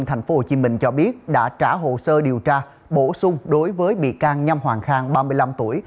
ngày ba tháng tám tòa án nhân dân tp hcm cho biết đã trả hồ sơ điều tra bổ sung đối với bị can nhâm hoàng khang ba mươi năm tuổi